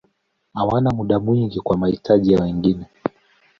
Hawana muda mwingi kwa mahitaji ya wengine.